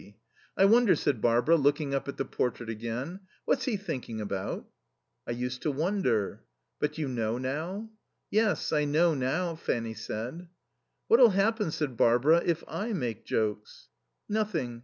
I wonder," said Barbara, looking up at the portrait again, "what he's thinking about?" "I used to wonder." "But you know now?" "Yes, I know now," Fanny said. "What'll happen," said Barbara, "if I make jokes?" "Nothing.